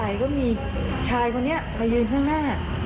กำลังจะออกรถไปก็มีชายคนเนี่ยมายืนข้างหน้า